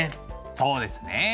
そうですね。